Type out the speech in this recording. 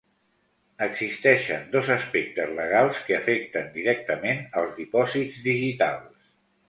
Existeixen dos aspectes legals que afecten directament als dipòsits digitals.